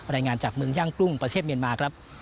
รายงานจากเมืองย่างกุ้งประเทศเมียนมาครับ